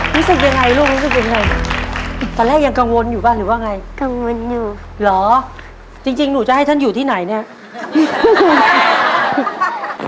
รู้สึกยังไงลูกรู้สึกยังไงตอนแรกยังกังวลอยู่ป่ะหรือว่าไงกังวลอยู่เหรอจริงจริงหนูจะให้ท่านอยู่ที่ไหนเนี่ย